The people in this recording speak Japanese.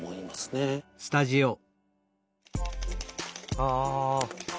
ああ。